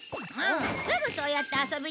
すぐそうやって遊びに使う！